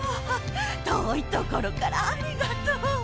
遠い所からありがとう。